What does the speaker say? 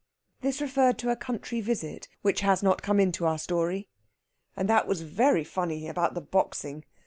This referred to a country visit, which has not come into our story. "And that was very funny about the boxing.